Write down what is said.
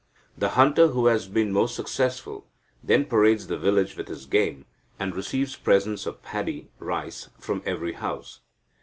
The hunter who has been most successful then parades the village with his game, and receives presents of paddy (rice) from every house.